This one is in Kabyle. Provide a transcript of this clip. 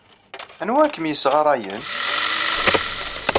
Anwa ay kem-yessɣarayen?